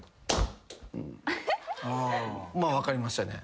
まあ分かりましたね。